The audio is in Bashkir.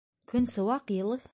Көн сыуаҡ, йылы.